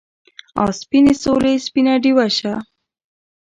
آ سپینې سولې سپینه ډیوه شه